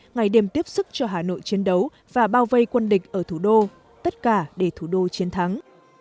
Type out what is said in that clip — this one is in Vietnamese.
ngày đêm tiếp sức cho hà nội chiến đấu và bao vây quân địch ở thủ đô tất cả để thủ đô chiến thắng